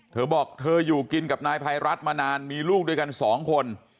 เธอบอกเธออยู่กินกับนายภัยรัฐมานานมีลูกด้วยกันสองคน